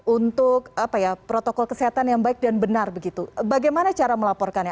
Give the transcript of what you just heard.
untuk protokol kesehatan yang baik dan benar begitu bagaimana cara melaporkannya